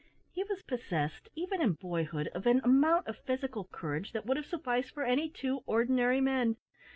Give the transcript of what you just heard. He was possessed, even in boyhood, of an amount of physical courage that would have sufficed for any two ordinary men.